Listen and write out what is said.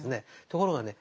ところがね